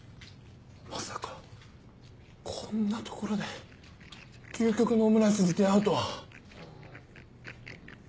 まさかこんな所で究極のオムライスに出合うとは。